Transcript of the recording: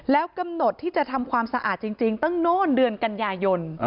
แล้วกำหนดที่จะทำความสะอาดจริงตั้งโน่นเดือนกันยายน